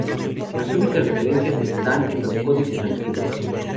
Las únicas referencias están en los códices antiguos.